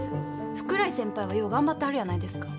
福来先輩はよう頑張ってはるやないですか。